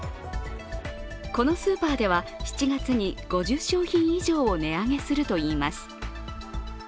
このスーパーでは、７月に５０商品以上を値上げするといいます。